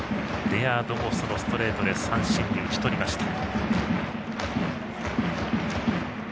レアードもストレートで三振に打ち取りました。